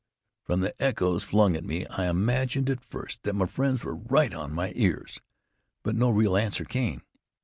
From the echoes flung at me, I imagined at first that my friends were right on my ears. But no real answer came.